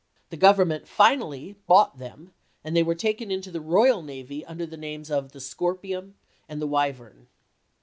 The Grovernment finally bought them, and they were taken into the royal navy under the names of the Scorpion and the Wyvern.